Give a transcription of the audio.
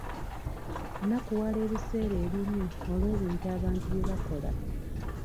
Nnakuwala ebiseera ebimu olw'ebintu abantu bye bakola.